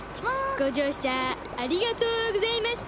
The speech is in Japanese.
ごじょうしゃありがとうございました。